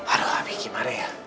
aduh abi gimana ya